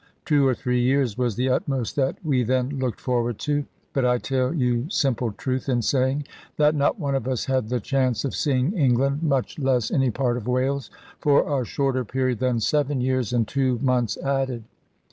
Two or three years was the utmost that we then looked forward to: but I tell you simple truth, in saying that not one of us had the chance of seeing England, much less any part of Wales, for a shorter period than seven years and two months added.